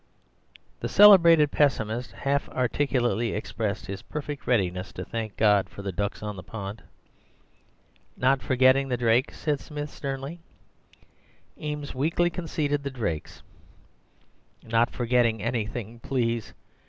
"The celebrated pessimist half articulately expressed his perfect readiness to thank God for the ducks on the pond. "'Not forgetting the drakes,' said Smith sternly. (Eames weakly conceded the drakes.) 'Not forgetting anything, please.